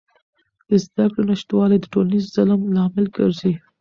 د زدهکړې نشتوالی د ټولنیز ظلم لامل ګرځي.